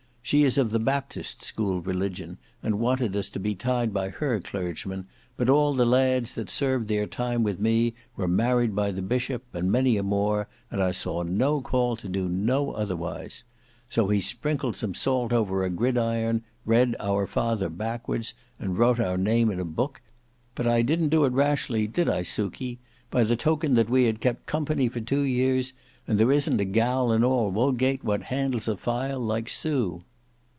She is of the Baptist school religion, and wanted us to be tied by her clergyman, but all the lads that served their time with me were married by the Bishop, and many a more, and I saw no call to do no otherwise. So he sprinkled some salt over a gridiron, read 'Our Father' backwards, and wrote our name in a book: and we were spliced; but I didn't do it rashly, did I, Suky, by the token that we had kept company for two years, and there isn't a gal in all Wodgate what handles a file, like Sue."